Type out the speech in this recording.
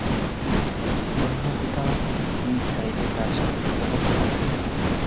অন্য কোথাও কি চাইলে তার সাথে দেখা করতে পারতেন না?